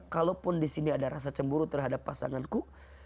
kalaupun disini ada rasa cemburu terhadap pasanganku